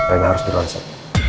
rena harus di ronsen